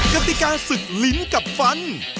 กติกาศึกลิ้นกับฟัน